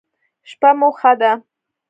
شپه مو ښه ده